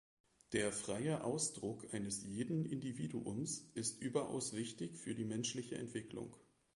Der freie Ausdruck eines jeden Individuums ist überaus wichtig für die menschliche Entwicklung.